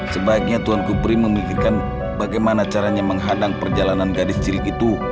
sebaiknya tuan kupri memikirkan bagaimana caranya menghadang perjalanan gadis cilik itu